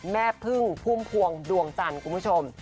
แม่พึ่งพุ่มพวงดวงจันทร์คุณผู้ชม